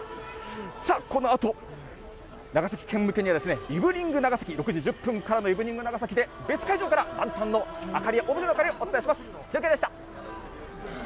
さあ、このあと長崎県向けには、イブニング長崎、６時１０分からの、イブニング長崎で、別会場からランタンの明かり、オブジェの明かり、お伝えします。